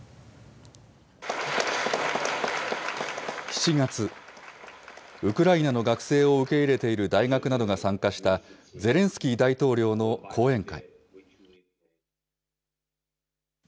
７月、ウクライナの学生を受け入れている大学などが参加したゼレンスキー大統領の講演会。